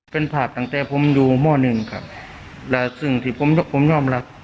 เป็นภาพตั้งแต่ผมอยู่หม้อหนึ่งครับและสิ่งที่ผมผมยอมรับ